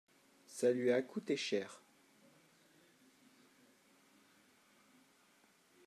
ça lui a coûté cher.